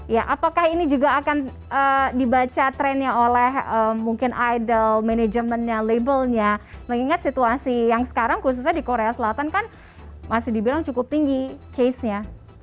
ya apakah ini juga akan dibaca trennya oleh mungkin idol manajemennya labelnya mengingat situasi yang sekarang khususnya di korea selatan kan masih dibilang cukup tinggi case nya